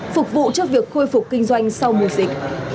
phục vụ cho việc khôi phục kinh doanh sau mùa dịch